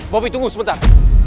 bobby tunggu sebentar